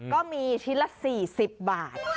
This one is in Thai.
ก็มีชิ้นละ๔๐บาท